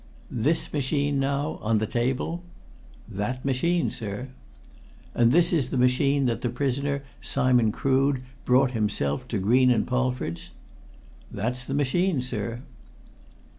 "This machine, now on the table?" "That machine, sir." "And this is the machine that the prisoner, Simon Crood, brought himself to Green & Polford's?" "That's the machine, sir."